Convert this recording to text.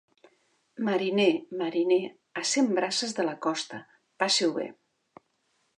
Mariner, mariner, a cent braces de la costa, passi-ho bé.